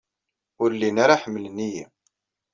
Ur llin ara ḥemmlen-iyi.